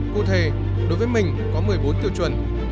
cụ thể đối với mình có một mươi bốn tiêu chuẩn